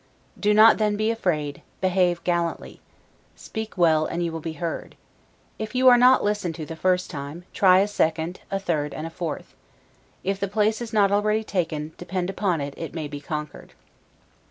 Do not then be afraid; behave gallantly. Speak well, and you will be heard. If you are not listened to the first time, try a second, a third, and a fourth. If the place is not already taken, depend upon it, it may be conquered.